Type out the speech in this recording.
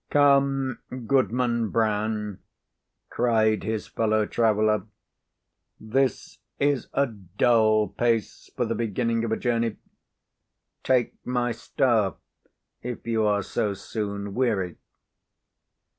"Come, Goodman Brown," cried his fellow traveller, "this is a dull pace for the beginning of a journey. Take my staff, if you are so soon weary."